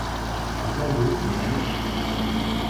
Un plan d'eau y est aménagé.